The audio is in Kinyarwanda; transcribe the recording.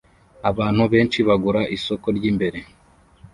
Abantu benshi bagura isoko ryimbere